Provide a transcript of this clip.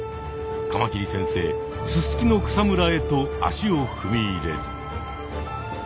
カマキリ先生ススキの草むらへと足をふみ入れる。